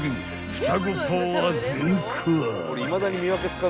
［双子パワー全開］